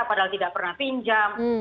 padahal tidak pernah pinjam